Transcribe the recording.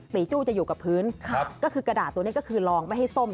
ีจู้จะอยู่กับพื้นก็คือกระดาษตัวนี้ก็คือลองไม่ให้ส้ม